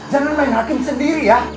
jangan main hakim sendiri ya